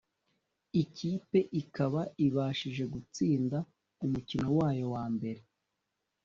ikipe ikaba ibashije gutsinda umukino wayo wa mbere